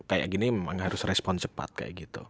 kayak gini memang harus respon cepat kayak gitu